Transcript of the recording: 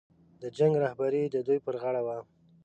د جنګ رهبري د دوی پر غاړه وه.